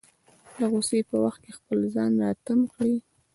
د غوسې په وخت کې خپل ځان راتم کړي.